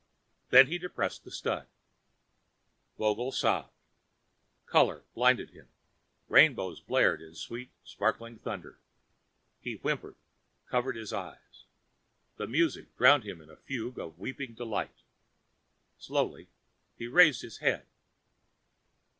Then he depressed the stud. Vogel sobbed. Color blinded him, rainbows blared in sweet, sparkling thunder. He whimpered, covering his eyes. The music drowned him in a fugue of weeping delight. Slowly he raised his head.